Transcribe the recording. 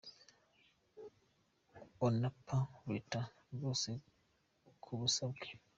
On a pas le temps rwose kubusa bwe.